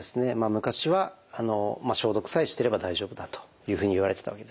昔は消毒さえしてれば大丈夫だというふうにいわれてたわけですね。